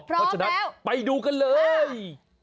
เพราะฉะนั้นไปดูกันเลย